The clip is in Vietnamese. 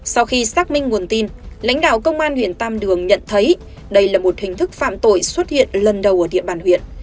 sau khi xác minh nguồn tin lãnh đạo công an huyện tam đường nhận thấy đây là một hình thức phạm tội xuất hiện lần đầu ở địa bàn huyện